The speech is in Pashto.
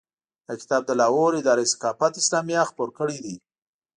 دا کتاب د لاهور اداره ثقافت اسلامیه خپور کړی دی.